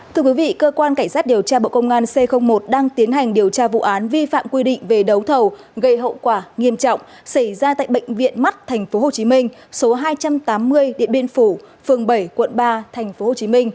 thưa quý vị cơ quan cảnh sát điều tra bộ công an c một đang tiến hành điều tra vụ án vi phạm quy định về đấu thầu gây hậu quả nghiêm trọng xảy ra tại bệnh viện mắt tp hcm số hai trăm tám mươi địa biên phủ phường bảy quận ba tp hcm